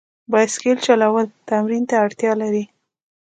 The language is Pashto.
بایسکل چلول تمرین ته اړتیا لري.